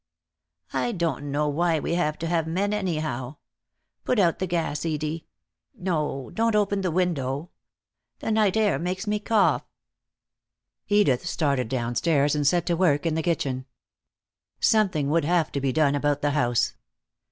"I don't know why we have to have men, anyhow. Put out the gas, Edie. No, don't open the window. The night air makes me cough." Edith started downstairs and set to work in the kitchen. Something would have to be done about the house.